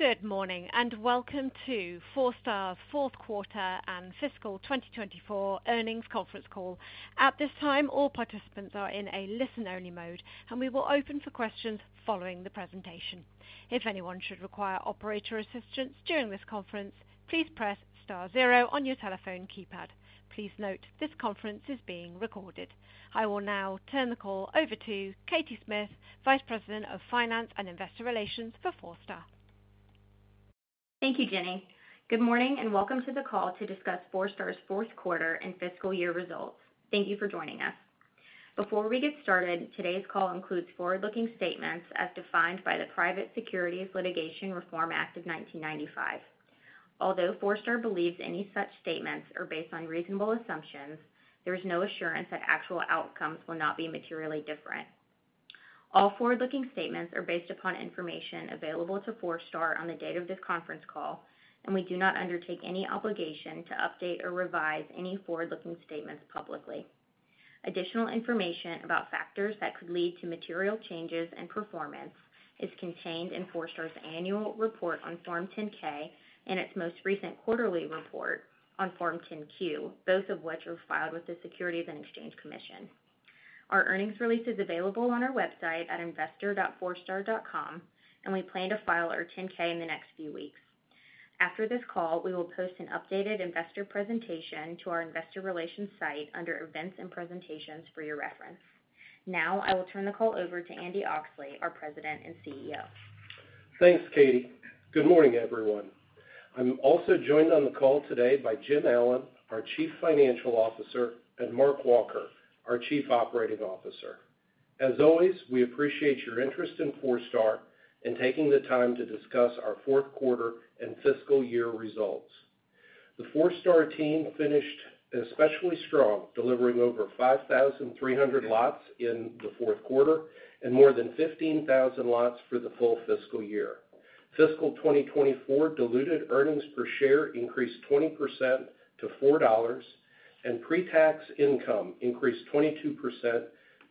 Good morning and welcome to Forestar's fourth quarter and fiscal 2024 earnings conference call. At this time, all participants are in a listen-only mode, and we will open for questions following the presentation. If anyone should require operator assistance during this conference, please press star zero on your telephone keypad. Please note this conference is being recorded. I will now turn the call over to Katie Smith, Vice President of Finance and Investor Relations for Forestar. Thank you, Jenny. Good morning and welcome to the call to discuss Forestar's fourth quarter and fiscal year results. Thank you for joining us. Before we get started, today's call includes forward-looking statements as defined by the Private Securities Litigation Reform Act of 1995. Although Forestar believes any such statements are based on reasonable assumptions, there is no assurance that actual outcomes will not be materially different. All forward-looking statements are based upon information available to Forestar on the date of this conference call, and we do not undertake any obligation to update or revise any forward-looking statements publicly. Additional information about factors that could lead to material changes in performance is contained in Forestar's annual report on Form 10-K and its most recent quarterly report on Form 10-Q, both of which are filed with the Securities and Exchange Commission. Our earnings release is available on our website at investor.forestar.com, and we plan to file our 10-K in the next few weeks. After this call, we will post an updated investor presentation to our investor relations site under Events and Presentations for your reference. Now, I will turn the call over to Andy Oxley, our President and CEO. Thanks, Katie. Good morning, everyone. I'm also joined on the call today by Jim Allen, our Chief Financial Officer, and Mark Walker, our Chief Operating Officer. As always, we appreciate your interest in Forestar and taking the time to discuss our fourth quarter and fiscal year results. The Forestar team finished especially strong, delivering over 5,300 lots in the fourth quarter and more than 15,000 lots for the full fiscal year. Fiscal 2024 diluted earnings per share increased 20% to $4, and pre-tax income increased 22%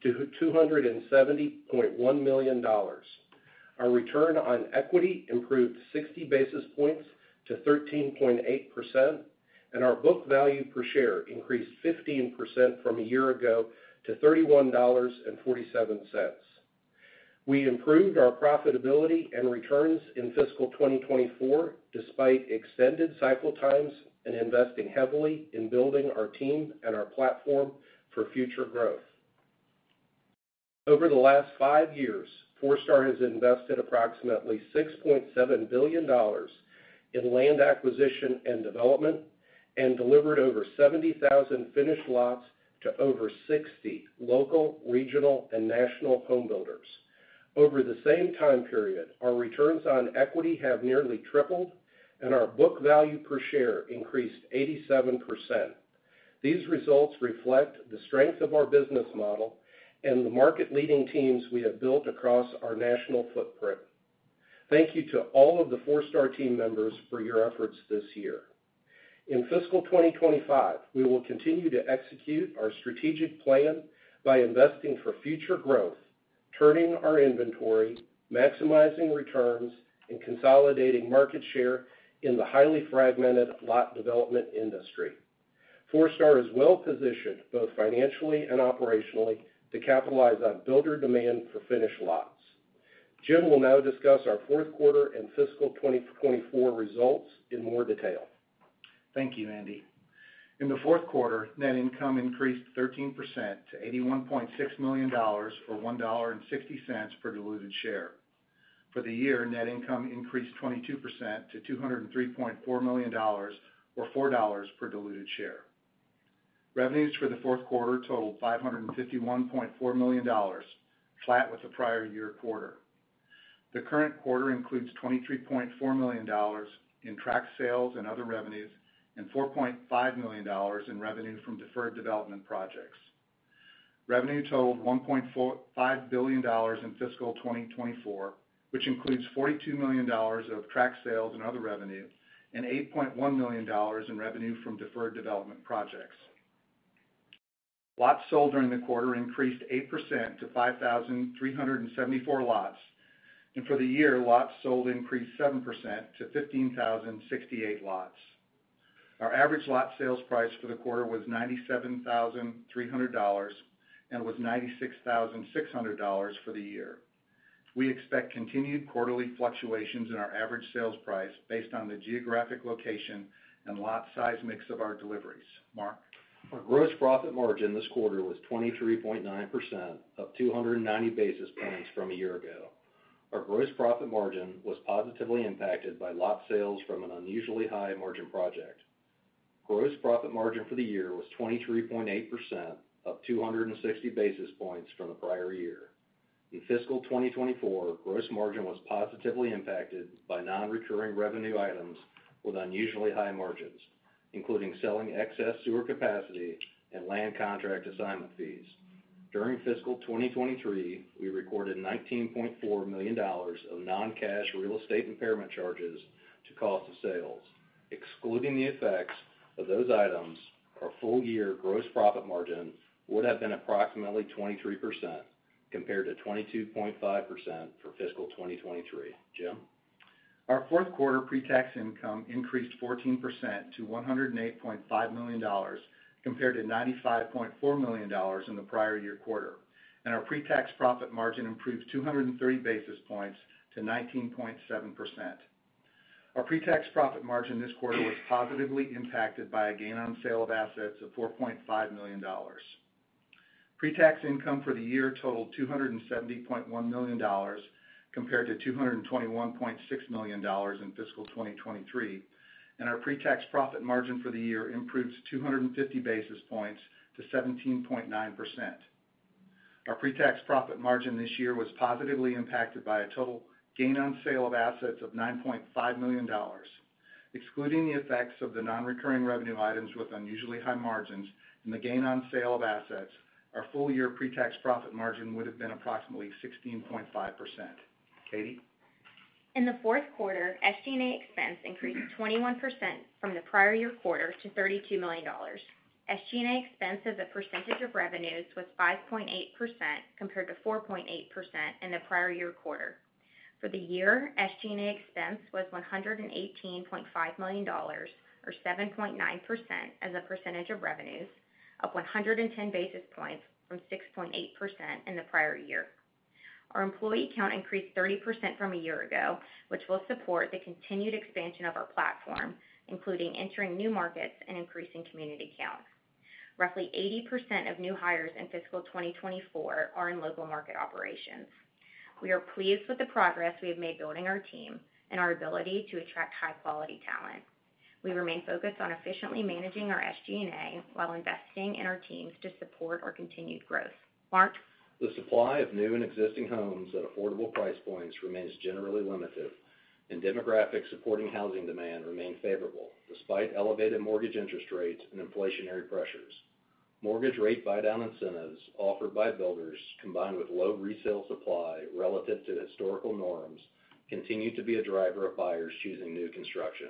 to $270.1 million. Our return on equity improved 60 basis points to 13.8%, and our book value per share increased 15% from a year ago to $31.47. We improved our profitability and returns in fiscal 2024 despite extended cycle times and investing heavily in building our team and our platform for future growth. Over the last five years, Forestar has invested approximately $6.7 billion in land acquisition and development and delivered over 70,000 finished lots to over 60 local, regional, and national home builders. Over the same time period, our returns on equity have nearly tripled, and our book value per share increased 87%. These results reflect the strength of our business model and the market-leading teams we have built across our national footprint. Thank you to all of the Forestar team members for your efforts this year. In fiscal 2025, we will continue to execute our strategic plan by investing for future growth, turning our inventory, maximizing returns, and consolidating market share in the highly fragmented lot development industry. Forestar is well-positioned both financially and operationally to capitalize on builder demand for finished lots. Jim will now discuss our fourth quarter and fiscal 2024 results in more detail. Thank you, Andy. In the fourth quarter, net income increased 13% to $81.6 million or $1.60 per diluted share. For the year, net income increased 22% to $203.4 million or $4 per diluted share. Revenues for the fourth quarter totaled $551.4 million, flat with the prior year quarter. The current quarter includes $23.4 million in tract sales and other revenues and $4.5 million in revenue from deferred development projects. Revenue totaled $1.5 billion in fiscal 2024, which includes $42 million of tract sales and other revenue and $8.1 million in revenue from deferred development projects. Lots sold during the quarter increased 8% to 5,374 lots, and for the year, lots sold increased 7% to 15,068 lots. Our average lot sales price for the quarter was $97,300 and was $96,600 for the year. We expect continued quarterly fluctuations in our average sales price based on the geographic location and lot size mix of our deliveries. Mark. Our gross profit margin this quarter was 23.9%, up 290 basis points from a year ago. Our gross profit margin was positively impacted by lot sales from an unusually high margin project. Gross profit margin for the year was 23.8%, up 260 basis points from the prior year. In fiscal 2024, gross margin was positively impacted by non-recurring revenue items with unusually high margins, including selling excess sewer capacity and land contract assignment fees. During fiscal 2023, we recorded $19.4 million of non-cash real estate impairment charges to cost of sales. Excluding the effects of those items, our full-year gross profit margin would have been approximately 23% compared to 22.5% for fiscal 2023. Jim. Our fourth quarter pre-tax income increased 14% to $108.5 million compared to $95.4 million in the prior year quarter, and our pre-tax profit margin improved 230 basis points to 19.7%. Our pre-tax profit margin this quarter was positively impacted by a gain on sale of assets of $4.5 million. Pre-tax income for the year totaled $270.1 million compared to $221.6 million in fiscal 2023, and our pre-tax profit margin for the year improved 250 basis points to 17.9%. Our pre-tax profit margin this year was positively impacted by a total gain on sale of assets of $9.5 million. Excluding the effects of the non-recurring revenue items with unusually high margins and the gain on sale of assets, our full-year pre-tax profit margin would have been approximately 16.5%. Katie. In the fourth quarter, SG&A expense increased 21% from the prior year quarter to $32 million. SG&A expense as a percentage of revenues was 5.8% compared to 4.8% in the prior year quarter. For the year, SG&A expense was $118.5 million or 7.9% as a percentage of revenues, up 110 basis points from 6.8% in the prior year. Our employee count increased 30% from a year ago, which will support the continued expansion of our platform, including entering new markets and increasing community count. Roughly 80% of new hires in fiscal 2024 are in local market operations. We are pleased with the progress we have made building our team and our ability to attract high-quality talent. We remain focused on efficiently managing our SG&A while investing in our teams to support our continued growth. Mark. The supply of new and existing homes at affordable price points remains generally limited, and demographic-supporting housing demand remains favorable despite elevated mortgage interest rates and inflationary pressures. Mortgage rate buy-down incentives offered by builders, combined with low resale supply relative to historical norms, continue to be a driver of buyers choosing new construction.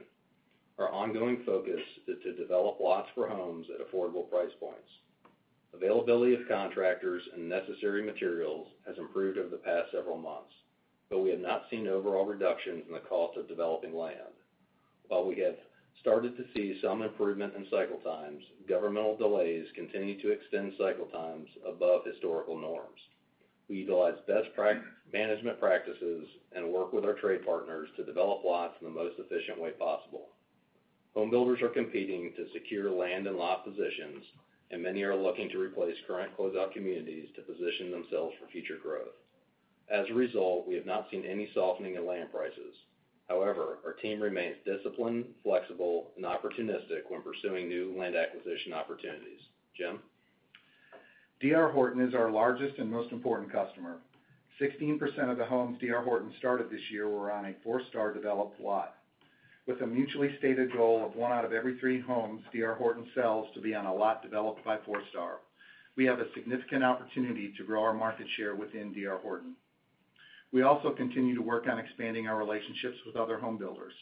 Our ongoing focus is to develop lots for homes at affordable price points. Availability of contractors and necessary materials has improved over the past several months, but we have not seen overall reductions in the cost of developing land. While we have started to see some improvement in cycle times, governmental delays continue to extend cycle times above historical norms. We utilize best management practices and work with our trade partners to develop lots in the most efficient way possible. Homebuilders are competing to secure land and lot positions, and many are looking to replace current closeout communities to position themselves for future growth. As a result, we have not seen any softening in land prices. However, our team remains disciplined, flexible, and opportunistic when pursuing new land acquisition opportunities. Jim. D.R. Horton is our largest and most important customer. 16% of the homes D.R. Horton started this year were on a Forestar-developed lot. With a mutually stated goal of one out of every three homes D.R. Horton sells to be on a lot developed by Forestar, we have a significant opportunity to grow our market share within D.R. Horton. We also continue to work on expanding our relationships with other homebuilders.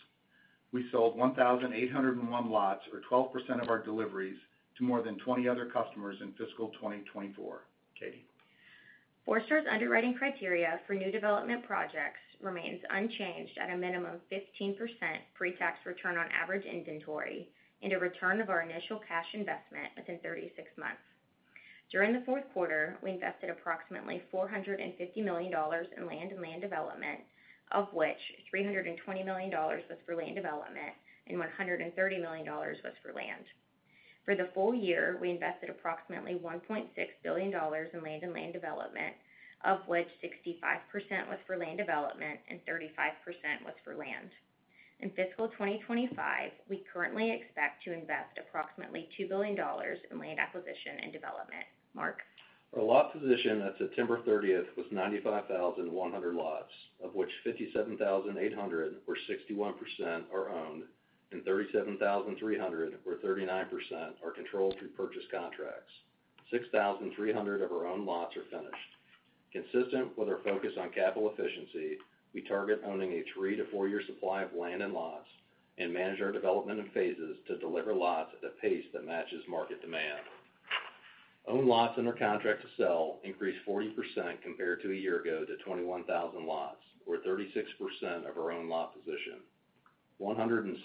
We sold 1,801 lots, or 12% of our deliveries, to more than 20 other customers in fiscal 2024. Katie. Forestar's underwriting criteria for new development projects remains unchanged at a minimum 15% pre-tax return on average inventory and a return of our initial cash investment within 36 months. During the fourth quarter, we invested approximately $450 million in land and land development, of which $320 million was for land development and $130 million was for land. For the full year, we invested approximately $1.6 billion in land and land development, of which 65% was for land development and 35% was for land. In fiscal 2025, we currently expect to invest approximately $2 billion in land acquisition and development. Mark. Our lot position at September 30th was 95,100 lots, of which 57,800, or 61%, are owned and 37,300, or 39%, are controlled through purchase contracts. 6,300 of our own lots are finished. Consistent with our focus on capital efficiency, we target owning a three- to four-year supply of land and lots and manage our development in phases to deliver lots at a pace that matches market demand. Owned lots under contract to sell increased 40% compared to a year ago to 21,000 lots, or 36% of our owned lot position. $172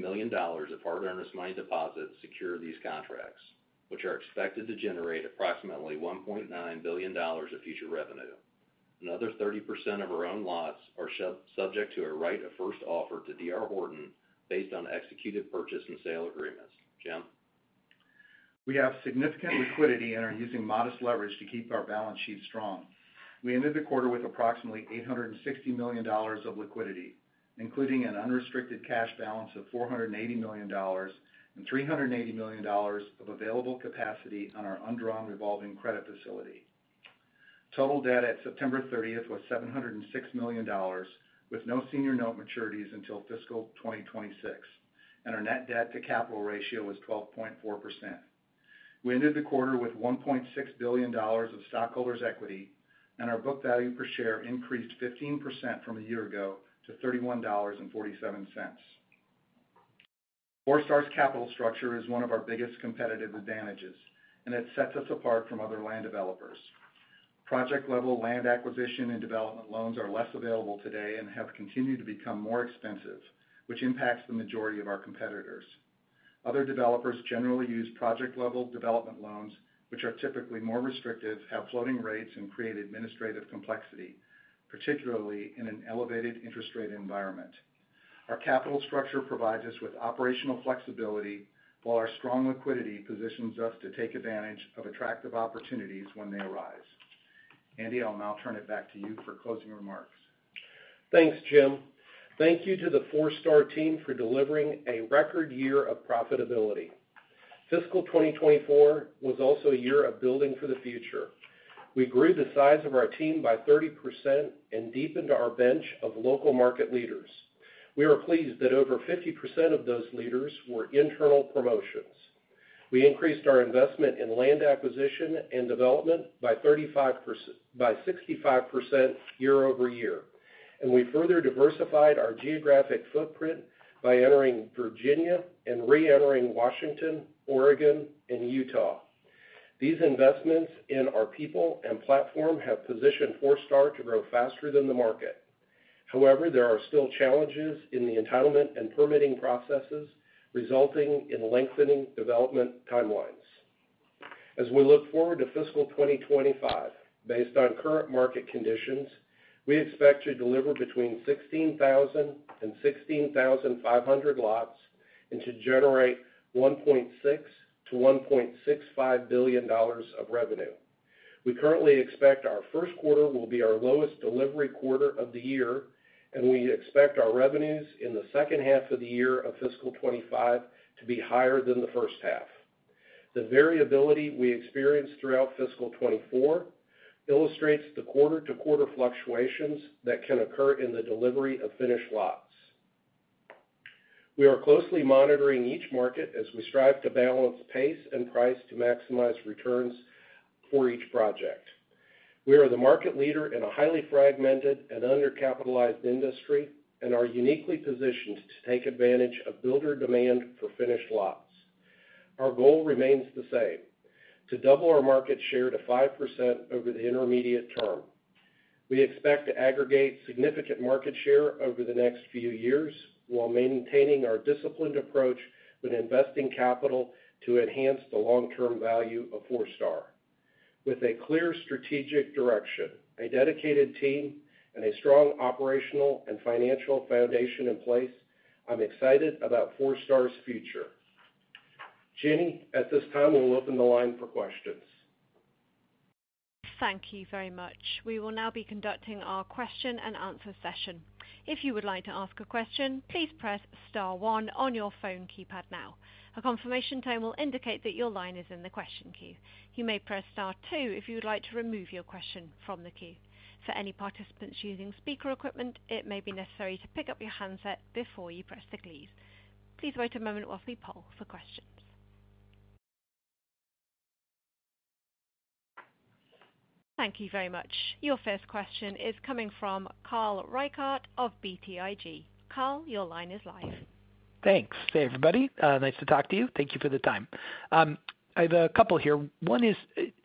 million of hard earnest money deposits secure these contracts, which are expected to generate approximately $1.9 billion of future revenue. Another 30% of our owned lots are subject to a right of first offer to D.R. Horton based on executed purchase and sale agreements. Jim. We have significant liquidity and are using modest leverage to keep our balance sheet strong. We ended the quarter with approximately $860 million of liquidity, including an unrestricted cash balance of $480 million and $380 million of available capacity on our undrawn revolving credit facility. Total debt at September 30th was $706 million, with no senior note maturities until fiscal 2026, and our net debt to capital ratio was 12.4%. We ended the quarter with $1.6 billion of stockholders' equity, and our book value per share increased 15% from a year ago to $31.47. Forestar's capital structure is one of our biggest competitive advantages, and it sets us apart from other land developers. Project-level land acquisition and development loans are less available today and have continued to become more expensive, which impacts the majority of our competitors. Other developers generally use project-level development loans, which are typically more restrictive, have floating rates, and create administrative complexity, particularly in an elevated interest rate environment. Our capital structure provides us with operational flexibility, while our strong liquidity positions us to take advantage of attractive opportunities when they arise. Andy, I'll now turn it back to you for closing remarks. Thanks, Jim. Thank you to the Forestar team for delivering a record year of profitability. Fiscal 2024 was also a year of building for the future. We grew the size of our team by 30% and deepened our bench of local market leaders. We are pleased that over 50% of those leaders were internal promotions. We increased our investment in land acquisition and development by 65% year over year, and we further diversified our geographic footprint by entering Virginia and re-entering Washington, Oregon, and Utah. These investments in our people and platform have positioned Forestar to grow faster than the market. However, there are still challenges in the entitlement and permitting processes, resulting in lengthening development timelines. As we look forward to fiscal 2025, based on current market conditions, we expect to deliver between 16,000 and 16,500 lots and to generate $1.6-$1.65 billion of revenue. We currently expect our first quarter will be our lowest delivery quarter of the year, and we expect our revenues in the second half of the year of fiscal 2025 to be higher than the first half. The variability we experience throughout fiscal 2024 illustrates the quarter-to-quarter fluctuations that can occur in the delivery of finished lots. We are closely monitoring each market as we strive to balance pace and price to maximize returns for each project. We are the market leader in a highly fragmented and undercapitalized industry and are uniquely positioned to take advantage of builder demand for finished lots. Our goal remains the same: to double our market share to 5% over the intermediate term. We expect to aggregate significant market share over the next few years while maintaining our disciplined approach when investing capital to enhance the long-term value of Forestar. With a clear strategic direction, a dedicated team, and a strong operational and financial foundation in place, I'm excited about Forestar's future. Jenny, at this time, we'll open the line for questions. Thank you very much. We will now be conducting our question and answer session. If you would like to ask a question, please press star one on your phone keypad now. A confirmation tone will indicate that your line is in the question queue. You may press Star 2 if you would like to remove your question from the queue. For any participants using speaker equipment, it may be necessary to pick up your handset before you press the keys. Please wait a moment while we poll for questions. Thank you very much. Your first question is coming from Carl Reichardt of BTIG. Carl, your line is live. Thanks. Hey, everybody. Nice to talk to you. Thank you for the time. I have a couple here. One is,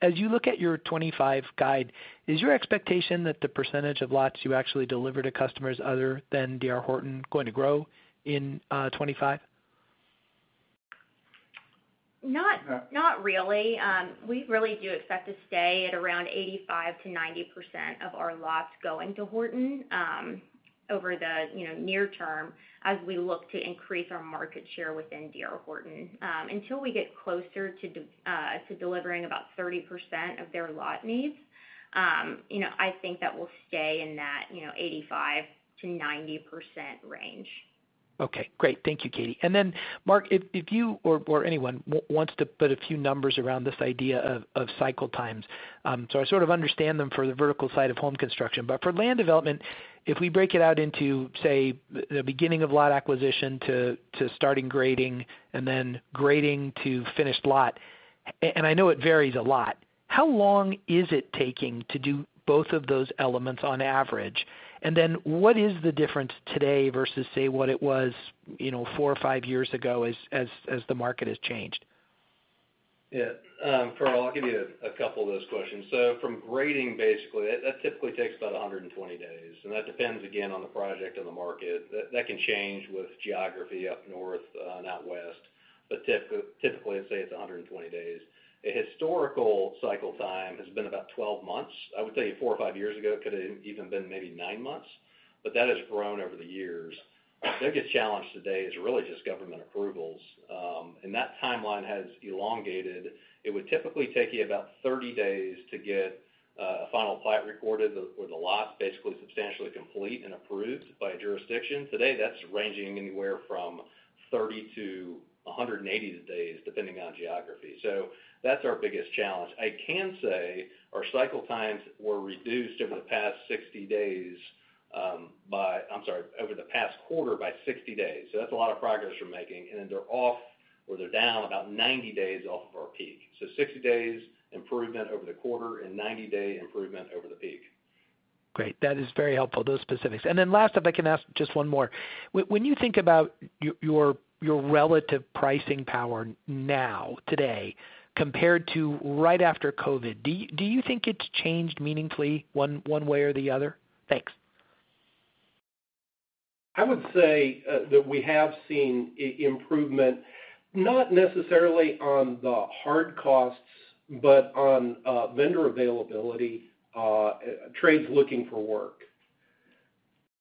as you look at your 2025 guide, is your expectation that the percentage of lots you actually deliver to customers other than D.R. Horton going to grow in 2025? Not really. We really do expect to stay at around 85%-90% of our lots going to Horton over the near term as we look to increase our market share within D.R. Horton. Until we get closer to delivering about 30% of their lot needs, I think that we'll stay in that 85%-90% range. Okay. Great. Thank you, Katie. And then, Mark, if you or anyone wants to put a few numbers around this idea of cycle times, so I sort of understand them for the vertical side of home construction, but for land development, if we break it out into, say, the beginning of lot acquisition to starting grading and then grading to finished lot, and I know it varies a lot, how long is it taking to do both of those elements on average? And then what is the difference today versus, say, what it was four or five years ago as the market has changed? Yeah. Carl, I'll give you a couple of those questions. So from grading, basically, that typically takes about 120 days, and that depends, again, on the project and the market. That can change with geography up north and out west, but typically, I'd say it's 120 days. A historical cycle time has been about 12 months. I would tell you four or five years ago, it could have even been maybe nine months, but that has grown over the years. The biggest challenge today is really just government approvals, and that timeline has elongated. It would typically take you about 30 days to get a final plat recorded with a lot basically substantially complete and approved by a jurisdiction. Today, that's ranging anywhere from 30-180 days, depending on geography. So that's our biggest challenge. I can say our cycle times were reduced over the past 60 days by, I'm sorry, over the past quarter by 60 days. So that's a lot of progress we're making, and then they're off, or they're down about 90 days off of our peak. So 60 days improvement over the quarter and 90-day improvement over the peak. Great. That is very helpful, those specifics. And then last up, I can ask just one more. When you think about your relative pricing power now, today, compared to right after COVID, do you think it's changed meaningfully one way or the other? Thanks. I would say that we have seen improvement, not necessarily on the hard costs, but on vendor availability, trades looking for work.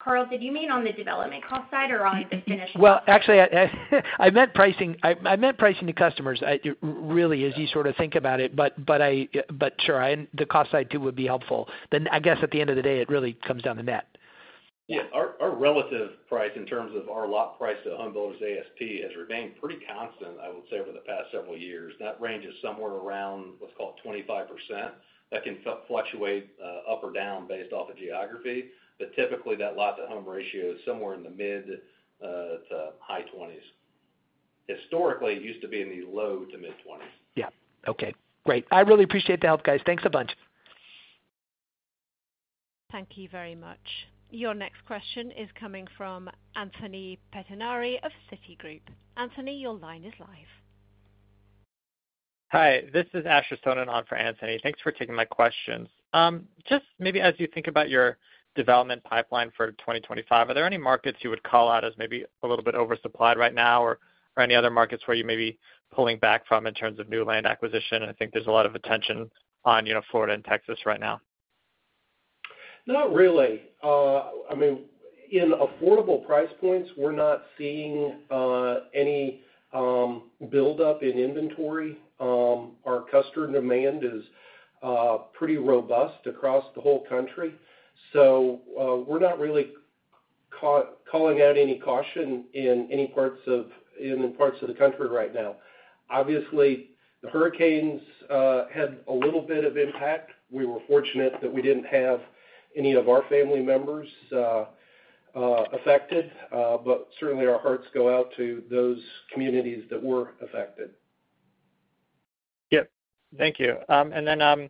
Carl, did you mean on the development cost side or on the finished lot? Actually, I meant pricing to customers, really, as you sort of think about it, but sure, the cost side too would be helpful. I guess at the end of the day, it really comes down to net. Yeah. Our relative price in terms of our lot price to homebuilders' ASP has remained pretty constant, I would say, over the past several years. That range is somewhere around what's called 25%. That can fluctuate up or down based off of geography, but typically, that lot-to-home ratio is somewhere in the mid to high 20s. Historically, it used to be in the low to mid 20s. Yeah. Okay. Great. I really appreciate the help, guys. Thanks a bunch. Thank you very much. Your next question is coming from Anthony Pettinari of Citigroup. Anthony, your line is live. Hi. This is Ashley Sonnen on for Anthony. Thanks for taking my questions. Just maybe as you think about your development pipeline for 2025, are there any markets you would call out as maybe a little bit oversupplied right now, or any other markets where you may be pulling back from in terms of new land acquisition? I think there's a lot of attention on Florida and Texas right now. Not really. I mean, in affordable price points, we're not seeing any buildup in inventory. Our customer demand is pretty robust across the whole country, so we're not really calling out any caution in any parts of the country right now. Obviously, the hurricanes had a little bit of impact. We were fortunate that we didn't have any of our family members affected, but certainly, our hearts go out to those communities that were affected. Yep. Thank you. And then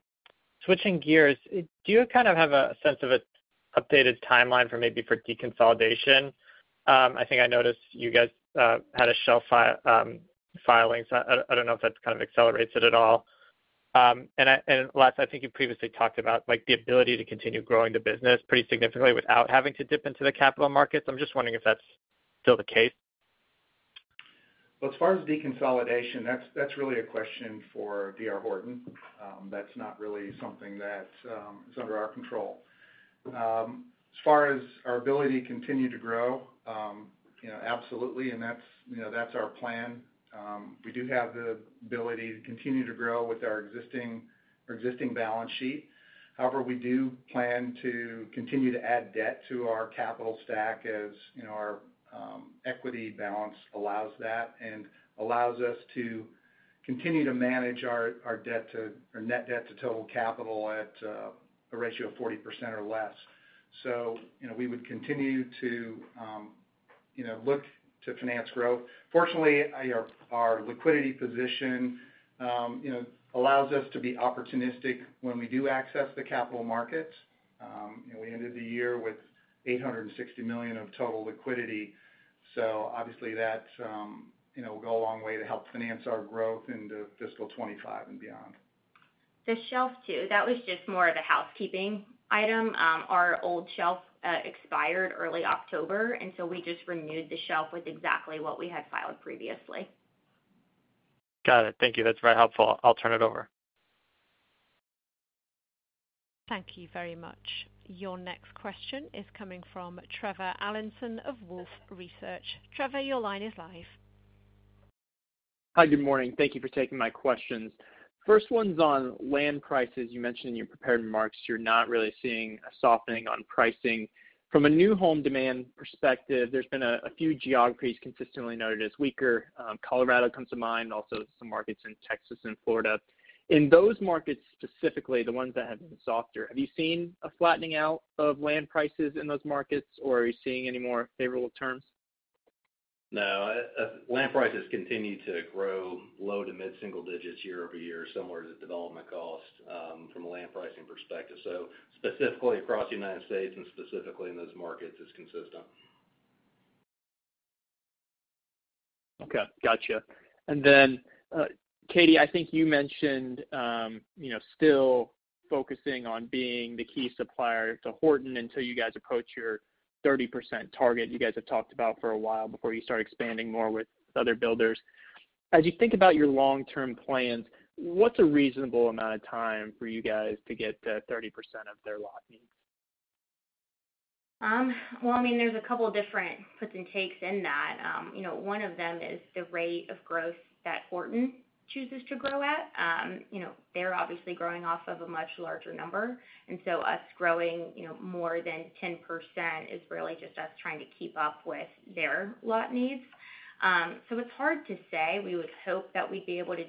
switching gears, do you kind of have a sense of an updated timeline for maybe for deconsolidation? I think I noticed you guys had a shelf filing, so I don't know if that kind of accelerates it at all. And last, I think you previously talked about the ability to continue growing the business pretty significantly without having to dip into the capital markets. I'm just wondering if that's still the case? As far as deconsolidation, that's really a question for D.R. Horton. That's not really something that's under our control. As far as our ability to continue to grow, absolutely, and that's our plan. We do have the ability to continue to grow with our existing balance sheet. However, we do plan to continue to add debt to our capital stack as our equity balance allows that and allows us to continue to manage our net debt to total capital at a ratio of 40% or less. So we would continue to look to finance growth. Fortunately, our liquidity position allows us to be opportunistic when we do access the capital markets. We ended the year with $860 million of total liquidity, so obviously, that will go a long way to help finance our growth into fiscal 2025 and beyond. The shelf too, that was just more of a housekeeping item. Our old shelf expired early October, and so we just renewed the shelf with exactly what we had filed previously. Got it. Thank you. That's very helpful. I'll turn it over. Thank you very much. Your next question is coming from Trevor Allinson of Wolfe Research. Trevor, your line is live. Hi, good morning. Thank you for taking my questions. First one's on land prices. You mentioned in your prepared remarks you're not really seeing a softening on pricing. From a new home demand perspective, there's been a few geographies consistently noted as weaker. Colorado comes to mind, also some markets in Texas and Florida. In those markets specifically, the ones that have been softer, have you seen a flattening out of land prices in those markets, or are you seeing any more favorable terms? No. Land prices continue to grow low to mid-single digits year over year, similar to development costs from a land pricing perspective. So specifically across the United States and specifically in those markets, it's consistent. Okay. Got you. And then, Katie, I think you mentioned still focusing on being the key supplier to Horton until you guys approach your 30% target you guys have talked about for a while before you start expanding more with other builders. As you think about your long-term plans, what's a reasonable amount of time for you guys to get to 30% of their lot needs? I mean, there's a couple of different puts and takes in that. One of them is the rate of growth that Horton chooses to grow at. They're obviously growing off of a much larger number, and so us growing more than 10% is really just us trying to keep up with their lot needs. So it's hard to say. We would hope that we'd be able to,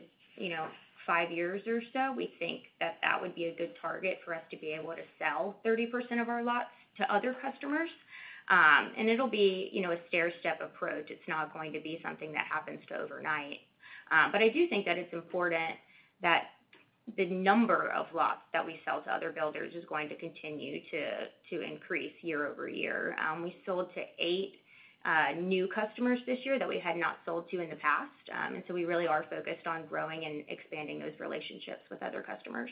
five years or so, we think that that would be a good target for us to be able to sell 30% of our lots to other customers, and it'll be a stair-step approach. It's not going to be something that happens overnight, but I do think that it's important that the number of lots that we sell to other builders is going to continue to increase year over year. We sold to eight new customers this year that we had not sold to in the past, and so we really are focused on growing and expanding those relationships with other customers.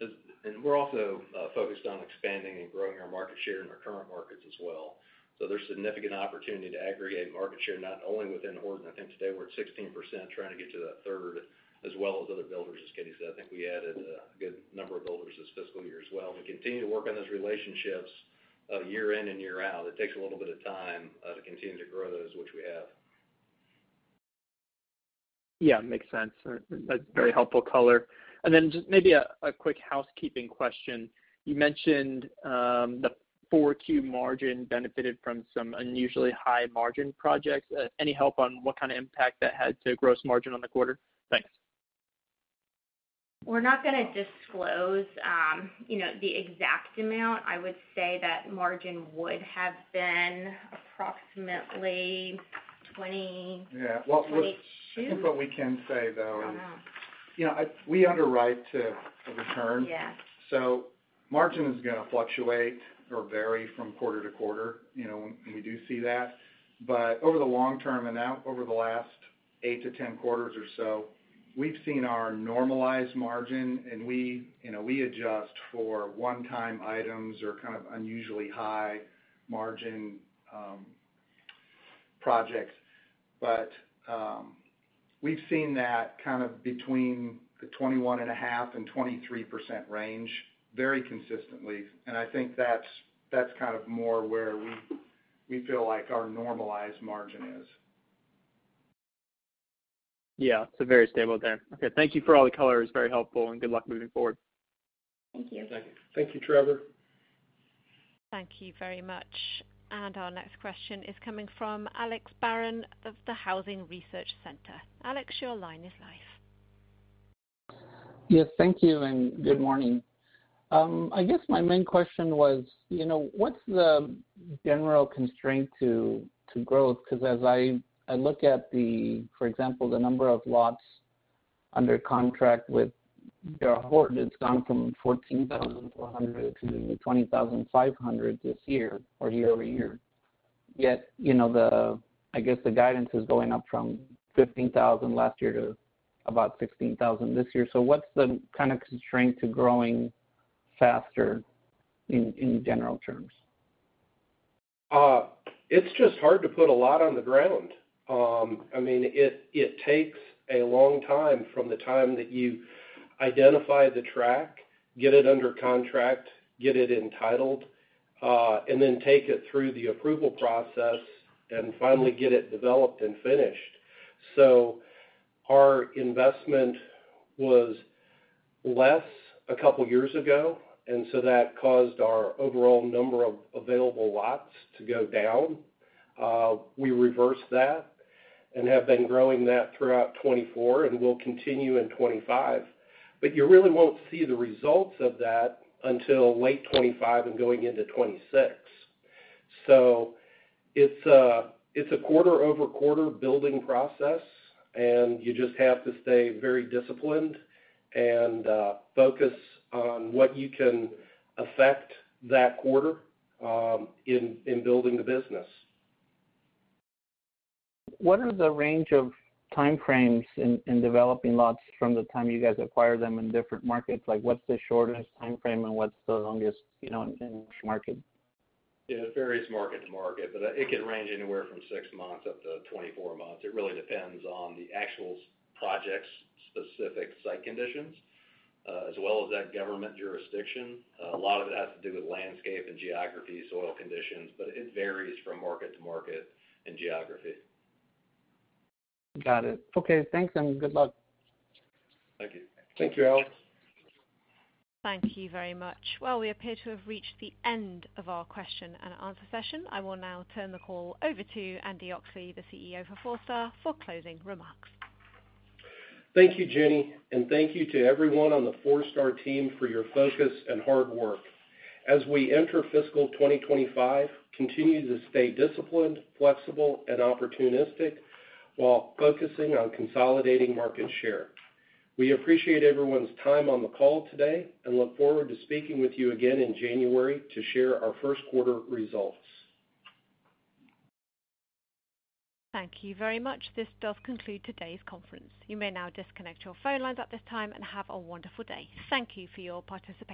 And we're also focused on expanding and growing our market share in our current markets as well. So there's significant opportunity to aggregate market share, not only within Horton. I think today we're at 16%, trying to get to that third, as well as other builders, as Katie said. I think we added a good number of builders this fiscal year as well. We continue to work on those relationships year in and year out. It takes a little bit of time to continue to grow those, which we have. Yeah. Makes sense. That's very helpful, caller. And then just maybe a quick housekeeping question. You mentioned the Q4 margin benefited from some unusually high margin projects. Any help on what kind of impact that had on gross margin on the quarter? Thanks. We're not going to disclose the exact amount. I would say that margin would have been approximately 20. Yeah. Well, what we can say, though, is we underwrite to return. Yeah So margin is going to fluctuate or vary from quarter to quarter. We do see that. But over the long term and now over the last 8 to 10 quarters or so, we've seen our normalized margin, and we adjust for one-time items or kind of unusually high margin projects. But we've seen that kind of between the 21.5%-23% range very consistently, and I think that's kind of more where we feel like our normalized margin is. Yeah. It's very stable there. Okay. Thank you for all the color. It was very helpful, and good luck moving forward. Thank you. Thank you, Trevor. Thank you very much. And our next question is coming from Alex Barron of the Housing Research Center. Alex, your line is live. Yes. Thank you and good morning. I guess my main question was, what's the general constraint to growth? Because as I look at, for example, the number of lots under contract with D.R. Horton, it's gone from 14,400 to 20,500 this year or year over year. Yet, I guess the guidance is going up from 15,000 last year to about 16,000 this year. So what's the kind of constraint to growing faster in general terms? It's just hard to put a lot on the ground. I mean, it takes a long time from the time that you identify the tract, get it under contract, get it entitled, and then take it through the approval process and finally get it developed and finished. So our investment was less a couple of years ago, and so that caused our overall number of available lots to go down. We reversed that and have been growing that throughout 2024 and will continue in 2025. But you really won't see the results of that until late 2025 and going into 2026. So it's a quarter-over-quarter building process, and you just have to stay very disciplined and focus on what you can affect that quarter in building the business. What are the range of time frames in developing lots from the time you guys acquire them in different markets? What's the shortest time frame and what's the longest in each market? Yeah. It varies market to market, but it can range anywhere from six months up to 24 months. It really depends on the actual project's specific site conditions as well as that government jurisdiction. A lot of it has to do with landscape and geography, soil conditions, but it varies from market to market and geography. Got it. Okay. Thanks and good luck. Thank you. Thank you, Alex. Thank you very much. Well, we appear to have reached the end of our question and answer session. I will now turn the call over to Andy Oxley, the CEO for Forestar, for closing remarks. Thank you, Jenny, and thank you to everyone on the Forestar team for your focus and hard work. As we enter fiscal 2025, continue to stay disciplined, flexible, and opportunistic while focusing on consolidating market share. We appreciate everyone's time on the call today and look forward to speaking with you again in January to share our first quarter results. Thank you very much. This does conclude today's conference. You may now disconnect your phone lines at this time and have a wonderful day. Thank you for your participation.